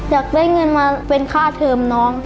อยากได้เงินมาเป็นค่าเทิมน้อง